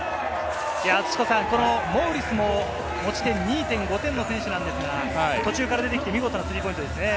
このモウリスも持ち点２．５点の選手ですが途中から出てきて、見事なスリーポイントですね。